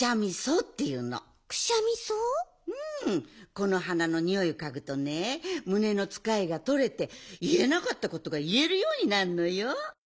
この花のにおいをかぐとねむねのつかえがとれていえなかったことがいえるようになるのよ。